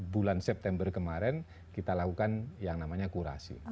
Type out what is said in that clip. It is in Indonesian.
bulan september kemarin kita lakukan yang namanya kurasi